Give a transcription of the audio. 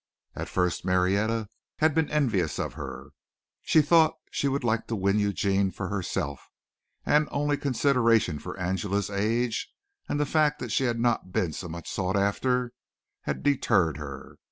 At first Marietta had been envious of her. She thought she would like to win Eugene for herself, and only consideration for Angela's age and the fact that she had not been so much sought after had deterred her.